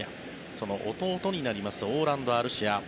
その弟になりますオーランド・アルシア。